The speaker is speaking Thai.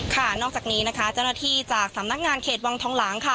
นอกจากนี้นะคะเจ้าหน้าที่จากสำนักงานเขตวังทองหลังค่ะ